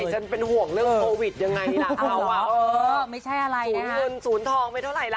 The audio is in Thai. ไม่ฉันเป็นห่วงเรื่องโควิดยังไงนี่ล่ะสูญเงินสูญทองไม่เท่าไหร่ล่ะ